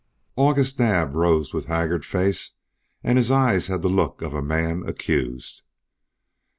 August Naab rose with haggard face and his eyes had the look of a man accused.